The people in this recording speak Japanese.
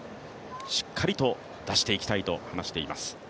しっかりと出していきたいと話しています。